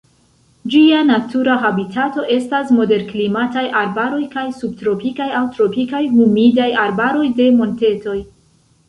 Ĝia natura habitato estas moderklimataj arbaroj kaj subtropikaj aŭ tropikaj humidaj arbaroj de montetoj.